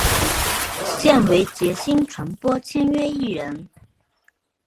现为杰星传播签约艺人。